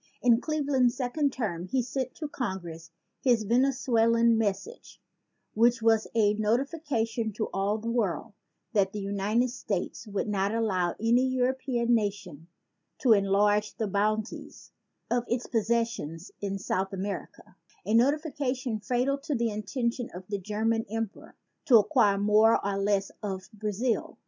In Cleveland's second term he sent to Congress his Venezuela message, which was a notification to all the world that the United States would not allow any European nation to enlarge the boundaries of its possessions in South Am a notification fatal to the intention of the German Emperor to acquire more or less of Brazil.